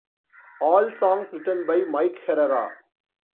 All songs written by Mike Herrera.